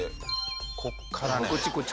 ここからね。